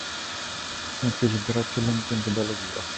মুক্তিযোদ্ধারা ছিলেন তিনটি দলে বিভক্ত।